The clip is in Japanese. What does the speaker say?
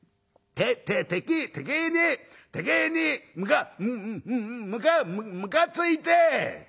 「てててきにてきにむかむかむかついて」。